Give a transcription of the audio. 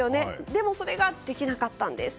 でも、それができなかったんです。